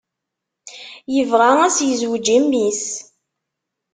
Yebɣa ad s-yezweǧ i mmi-s.